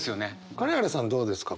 金原さんどうですか？